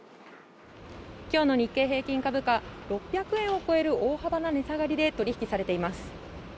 今日の日経平均株価６００円を超える大幅な値下がりで取り引きされています